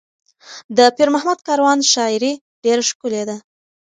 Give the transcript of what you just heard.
د پیر محمد کاروان شاعري ډېره ښکلې ده.